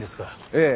ええ。